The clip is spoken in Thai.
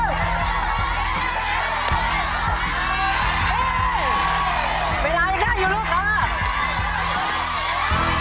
เร็วเร็วเร็วเร็วเยี่ยมของพี่